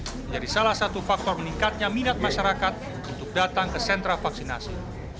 menjadi salah satu faktor meningkatnya minat masyarakat untuk datang ke sentra vaksinasi